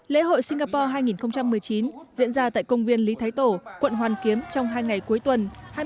lễ hội singapore hai nghìn một mươi chín diễn ra tại công viên lý thái tổ quận hoàn kiếm trong hai ngày cuối tuần hai mươi ba và hai mươi bốn tháng ba